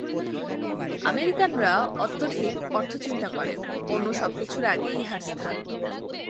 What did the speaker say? আমেরিকানরা অত্যধিক অর্থচিন্তা করে, অন্য সব কিছুর আগে ইহার স্থান।